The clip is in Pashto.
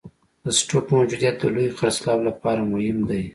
د سټوک موجودیت د لوی خرڅلاو لپاره مهم دی.